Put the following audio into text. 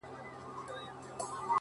ما او تا د وخت له ښايستو سره راوتي يـو;